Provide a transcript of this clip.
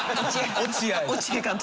落合監督。